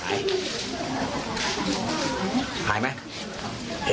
หมาก็เห่าตลอดคืนเลยเหมือนมีผีจริง